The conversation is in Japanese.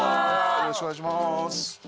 よろしくお願いします。